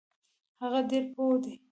هغه ډیر پوه دی.